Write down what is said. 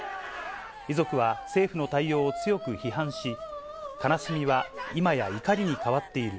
遺族は政府の対応を強く批判し、悲しみは今や怒りに変わっている。